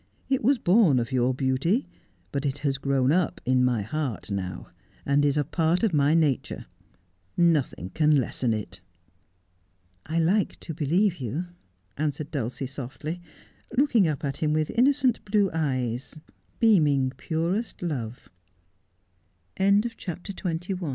It was born of your beauty, but it has grown up in my heart now, and is a part of my nature. Nothing can lessen it.' 'I like to believe you,' answered Dulcie softly, looking up at him with innocent blue eyes, b